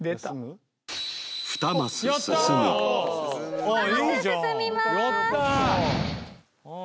２マス進みますやった！